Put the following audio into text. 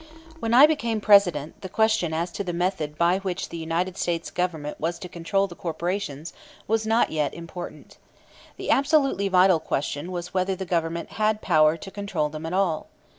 When I became President, the question as to the method by which the United States Government was to control the corporations was not yet important. The absolutely vital question was whether the Government had power to control them at all.